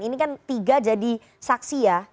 ini kan tiga jadi saksi ya